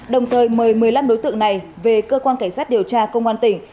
đồng thời mời một mươi năm đối tượng này về cơ quan cảnh sát điều tra công an tỉnh